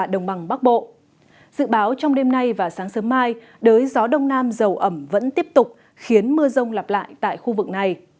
dự báo trong đêm nay và sáng sớm mai đới gió đông nam dầu ẩm vẫn tiếp tục khiến mưa rông lặp lại tại khu vực này